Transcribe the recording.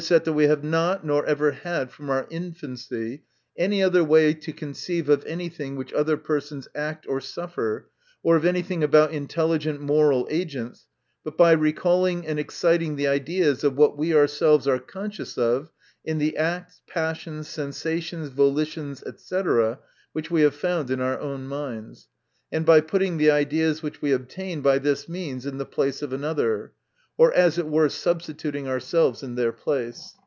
that we have not, nor never had from our infancy, any other way to conceive of any thing which other persons act or suffer, or of any thing about intelligent, moral agents, but by recalling and exciting the ideas of what we ourselves are conscious of in the acts, passions, sensations, volitions, &c, which we have found in our own minds ; and by putting the ideas which we obtain by this means, in the place of another ; or as it were substituting our selves in their place.